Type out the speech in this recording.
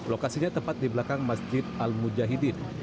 lokasinya tepat di belakang masjid al mujahidin